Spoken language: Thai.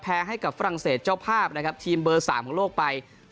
ให้กับฝรั่งเศสเจ้าภาพนะครับทีมเบอร์๓ของโลกไป